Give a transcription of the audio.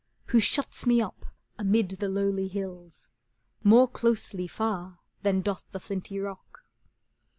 Who shuts me up amid the lowly hills. More closely far than doth the flinty rock.